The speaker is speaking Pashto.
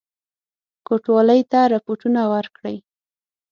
کوټوالی ته رپوټونه ورکړي.